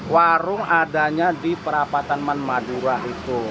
warung adanya di perapatan manmadurah itu